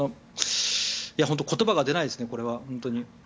本当に言葉が出ないですねこれは。